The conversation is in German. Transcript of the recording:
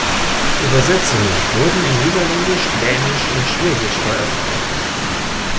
Übersetzungen wurden in niederländisch, dänisch und schwedisch veröffentlicht.